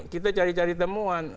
kita cari cari temuan